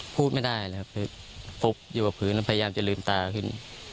พูดไม่ได้เลยครับฟุบอยู่กับพื้นแล้วพยายามจะลืมตาขึ้น